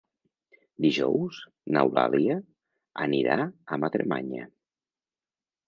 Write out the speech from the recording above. Dijous n'Eulàlia anirà a Madremanya.